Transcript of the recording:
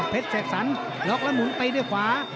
เสกสรรล็อกแล้วหมุนตีด้วยขวา